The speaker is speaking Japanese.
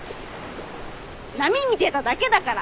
波見てただけだから。